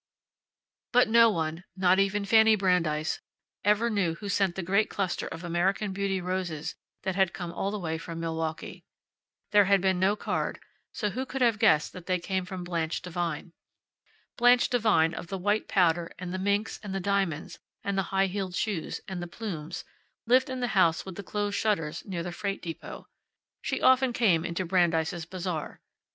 But no one not even Fanny Brandeis ever knew who sent the great cluster of American Beauty roses that had come all the way from Milwaukee. There had been no card, so who could have guessed that they came from Blanche Devine. Blanche Devine, of the white powder, and the minks, and the diamonds, and the high heeled shoes, and the plumes, lived in the house with the closed shutters, near the freight depot. She often came into Brandeis' Bazaar.